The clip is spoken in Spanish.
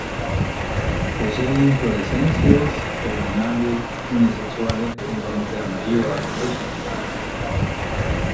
Posee inflorescencias terminales unisexuales en tonos de amarillo a rojizo.